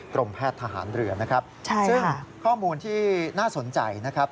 แพทย์ทหารเรือนะครับซึ่งข้อมูลที่น่าสนใจนะครับ